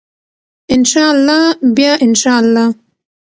ان شاء الله بیا ان شاء الله.